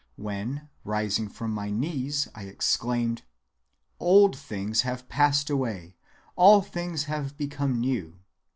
When rising from my knees I exclaimed, 'Old things have passed away, all things have become new.